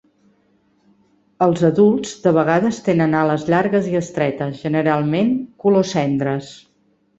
Els adults de vegades tenen ales llargues i estretes, generalment color cendres.